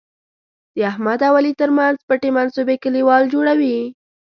د احمد او علي تر منځ پټې منصوبې کلیوال جوړوي.